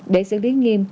để xử lý nghiêm